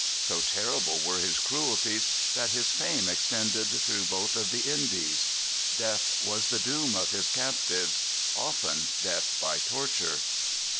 So terrible were his cruelties, that his fame extended through both of the Indies. Death was the doom of his captives; often death by torture.